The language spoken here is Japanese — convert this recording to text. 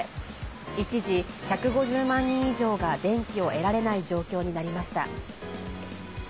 一時、１５０万人以上が電気を得られない状況になりました。